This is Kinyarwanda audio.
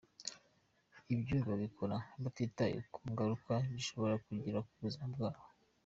Ibyo babikora batitaye ku ngaruka bishobora kugira ku buzima bwabo.